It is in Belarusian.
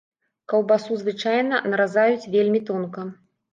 Каўбасу звычайна наразаюць вельмі тонка.